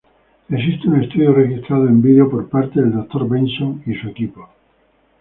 Existe un estudio registrado en video, por parte del Dr. Benson y su equipo.